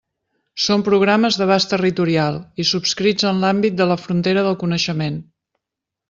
Són programes d'abast territorial i subscrits en l'àmbit de la frontera del coneixement.